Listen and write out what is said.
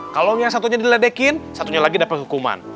kalau yang satunya diledekin satunya lagi dapat hukuman